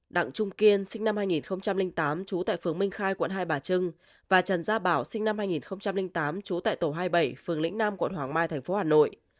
đặng trung kiên sinh năm hai nghìn tám trú tại phường minh khai quận hai bà trưng và trần gia bảo sinh năm hai nghìn tám trú tại tổ hai mươi bảy phường lĩnh nam quận hoàng mai tp hà nội